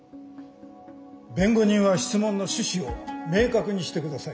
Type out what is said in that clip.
弁護人は質問の趣旨を明確にしてください。